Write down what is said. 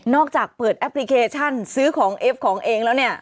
จากเปิดแอปพลิเคชันซื้อของเอฟของเองแล้วเนี่ย